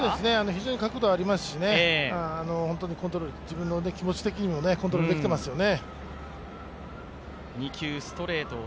非常に角度がありますし、自分の気持ち的にもコントロールできていますよね。